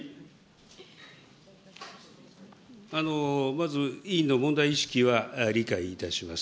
まず、委員の問題意識は理解いたします。